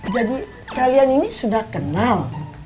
jadi kalian ini sudah kenal